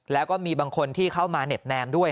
แล้วก็มีบางคนที่เข้ามาเน็บแนมด้วย